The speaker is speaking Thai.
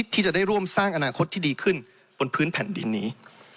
ที่จะได้ร่วมสร้างอนาคตที่ดีขึ้นบนพื้นแผ่นดินนี้